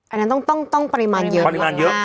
อันนั้นต้องปริมาณเยอะมาก